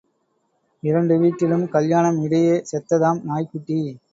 இரண்டு வீட்டிலும் கல்யாணம் இடையே செத்ததாம் நாய்க்குட்டி.